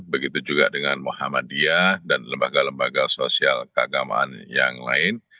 begitu juga dengan muhammadiyah dan lembaga lembaga sosial keagamaan yang lain